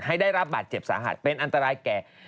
ให้ได้ระบาดเจ็บสหรัฐเป็นอันตรายแก่